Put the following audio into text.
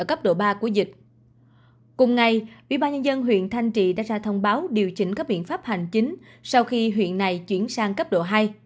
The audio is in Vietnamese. cùng ngày bỉ ba nhân dân huyện thanh trị đã ra thông báo điều chỉnh các biện pháp hành chính sau khi huyện này chuyển sang cấp độ hai